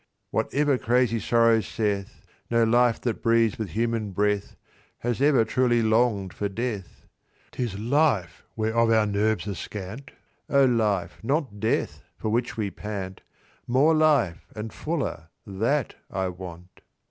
"Whatever crazy sorrow saith, No life that breathes with human breath Has ever truly long'd for death. "'Tis life, whereof our nerves are scant, Oh life, not death, for which we pant; More life, and fuller, that I want."